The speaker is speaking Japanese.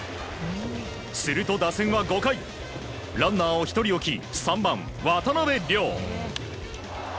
すると打線は５回ランナーを１人置き３番、渡邉諒。